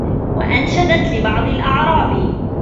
وَأَنْشَدْت لِبَعْضِ الْأَعْرَابِ